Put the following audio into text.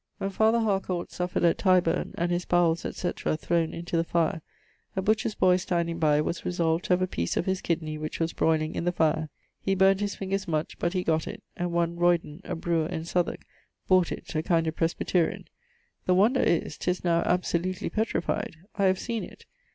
_ When father Harcourt suffered at Tyburne, and his bowells, etc. throwne into the fire, a butcher's boy standing by was resolved to have a piece of his kidney which was broyling in the fire. He burn't his fingers much, but he got it; and one ... Roydon, a brewer in Southwark, bought it, a kind of Presbyterian. The wonder is, 'tis now absolutely petrified: I have seen it.